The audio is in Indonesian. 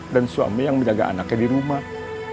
dan suami yang menjaga anaknya di rumah